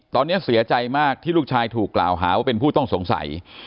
ตอนนี้เสียใจมากที่ลูกชายถูกกล่าวหาว่าเป็นผู้ต้องสงสัย